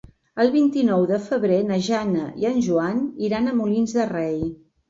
El vint-i-nou de febrer na Jana i en Joan iran a Molins de Rei.